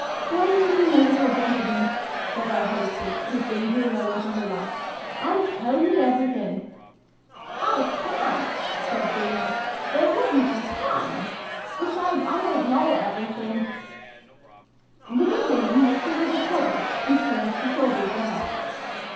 " COME to me, my little gentleman,'' said our hostess, lifting Bruno into her lap, "and tell me everything." " I ca'n't," said Bruno. " There wouldn't be time. Besides, I don't know everything." The good woman looked a little puzzled, and turned to Sylvie for help.